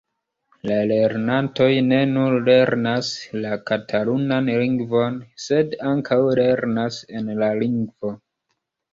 La lernantoj ne nur lernas la katalunan lingvon, sed ankaŭ lernas en la lingvo.